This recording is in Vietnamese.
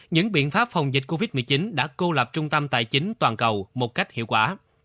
những biện pháp phòng dịch covid một mươi chín đã cô lập trung tâm tài chính toàn cầu một cách hiệu quả